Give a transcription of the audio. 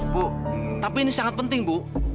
bu tapi ini sangat penting bu